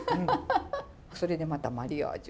それでまたマリアージュを。